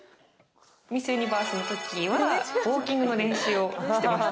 ミス・ユニバースのときはウオーキングの練習をしてました。